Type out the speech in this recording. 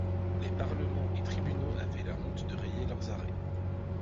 Les Parlements et tribunaux avaient la honte de rayer leurs arrêts.